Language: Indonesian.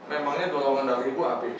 emangnya golongan darah ibu api